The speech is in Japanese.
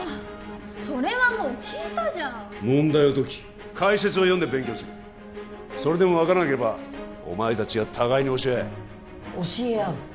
それはもう聞いたじゃん問題を解き解説を読んで勉強するそれでも分からなければお前達が互いに教え合え教え合う？